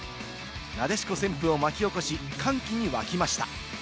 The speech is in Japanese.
なでしこ旋風を巻き起こし、歓喜に沸きました。